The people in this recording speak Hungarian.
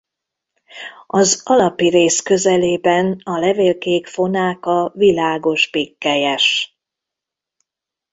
Az alapi rész közelében a levélkék fonáka világos pikkelyes.